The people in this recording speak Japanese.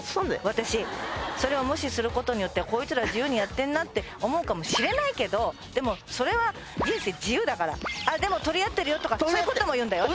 私それを無視することによってこいつら自由にやってんなって思うかもしれないけどでもそれは人生自由だからあっでも取り合ってるよとかそういうことも言うんだよ